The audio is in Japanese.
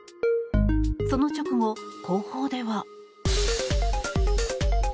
その直後、後方では。